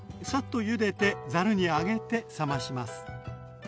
サッとゆでてざるに上げて冷まします。